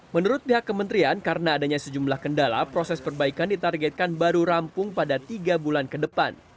menurut pihak kementerian karena adanya sejumlah kendala proses perbaikan ditargetkan baru rampung pada tiga bulan ke depan